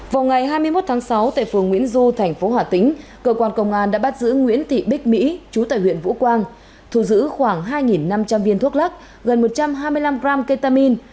vào ngày hai mươi một tháng sáu tại phường nguyễn du thành phố hà tĩnh cơ quan công an đã bắt giữ nguyễn thị bích mỹ chú tại huyện vũ quang thu giữ khoảng hai năm trăm linh viên thuốc lắc gần một trăm hai mươi năm gram ketamine